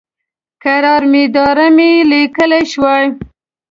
قرار میدارم یې لیکلی شوای.